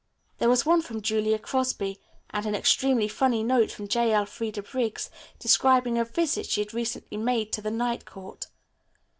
There was one from Julia Crosby, and an extremely funny note from J. Elfreda Briggs, describing a visit she had recently made to the night court.